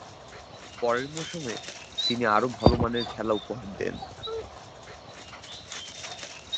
পরের মৌসুমে তিনি আরও ভালোমানের খেলা উপহার দেন।